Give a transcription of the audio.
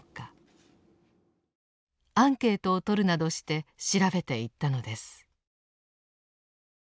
アンケートをとるなどして調べていったのです。